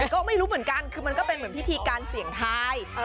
ก็ไม่รู้เหมือนกันคือมันก็เป็นเหมือนพิธีการเสี่ยงทาย